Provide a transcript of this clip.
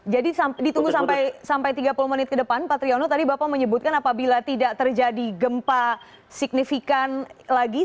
jadi ditunggu sampai tiga puluh menit ke depan pak triyono tadi bapak menyebutkan apabila tidak terjadi gempa signifikan lagi